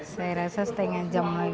saya rasa setengah jam lagi